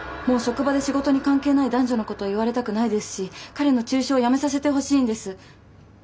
もう職場で仕事に関係ない男女のことを言われたくないですし彼の中傷をやめさせてほしいんです。